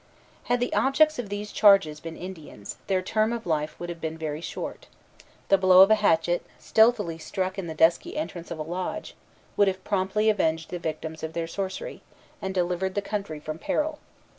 Had the objects of these charges been Indians, their term of life would have been very short. The blow of a hatchet, stealthily struck in the dusky entrance of a lodge, would have promptly avenged the victims of their sorcery, and delivered the country from peril.